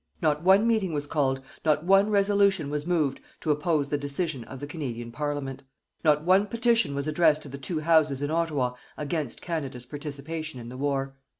Not one meeting was called, not one resolution was moved, to oppose the decision of the Canadian Parliament. Not one petition was addressed to the two Houses in Ottawa against Canada's participation in the war.